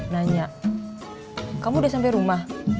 nanya kamu udah sampai rumah